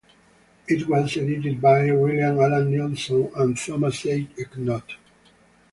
It was edited by William Allan Neilson and Thomas A. Knott.